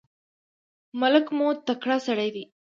ملک مو تکړه سړی دی.